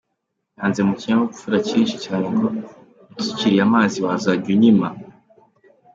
Yanze mu kinyabupfura kinshi cyane ngo: “ unsukiriye amazi wazajya unyima”.